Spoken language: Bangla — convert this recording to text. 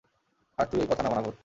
আর তুই ওই কথা না মানা ভুত।